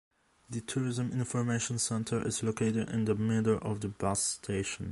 The Tourism Information Centre is located in the middle of the bus station.